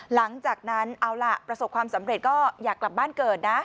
หลังจากนั้นเอาล่ะประสบความสำเร็จก็อยากกลับบ้านเกิดนะ